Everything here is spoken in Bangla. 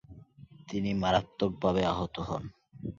তিনি মারাত্মক ভাবে আহত হন।